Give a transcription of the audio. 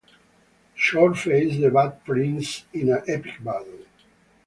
Chor faces the Bat Prince in an epic battle.